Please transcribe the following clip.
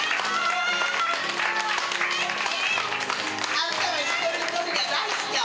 あんたら一人一人が大好きや。